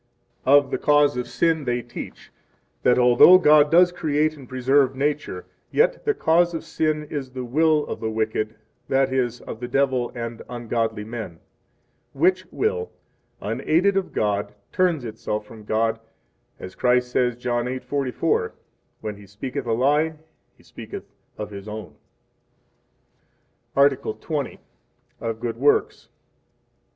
Of the Cause of Sin they teach that, although God does create and preserve nature, yet the cause of sin is the will of the wicked, that is, of the devil and ungodly men; which will, unaided of God, turns itself from God, as Christ says John 8:44: When he speaketh a lie, he speaketh of his own. Article XX. Of Good Works.